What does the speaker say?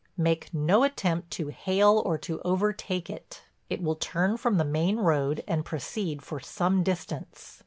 Make no attempt to hail or to overtake it. It will turn from the main road and proceed for some distance.